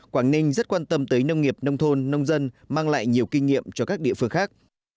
quảng ninh rất quan tâm tới nông nghiệp nông thôn nông dân mang lại nhiều kinh nghiệm cho các địa phương khác